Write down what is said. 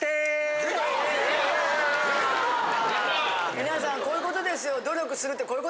皆さんこういうことですよ。